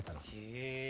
へえ。